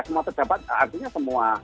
semua pejabat artinya semua